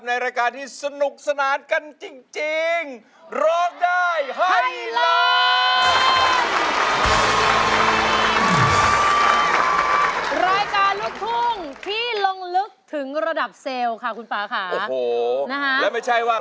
ในรายการที่สนุกสนานกันจริง